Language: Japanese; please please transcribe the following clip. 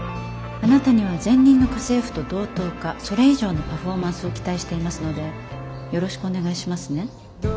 あなたには前任の家政婦と同等かそれ以上のパフォーマンスを期待していますのでよろしくお願いしますね。